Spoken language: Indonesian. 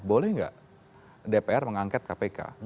boleh nggak dpr mengangket kpk